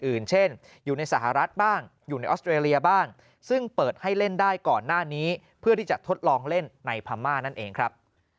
อื่นเช่นอยู่ในสหรัฐบ้างอยู่ในออสเตรเลียบ้างซึ่งเปิดให้เล่นได้ก่อนหน้านี้เพื่อที่จะทดลองเล่นในพม่านั่นเองครับ